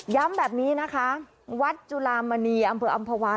แบบนี้นะคะวัดจุลามณีอำเภออำภาวา